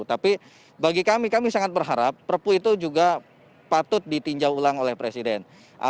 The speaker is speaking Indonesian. tapi bagi kami kami sangat berharap perpu itu juga patut ditinjau ulang oleh presiden